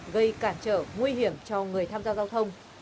gây cản trở nguy hiểm cho người tham gia giao thông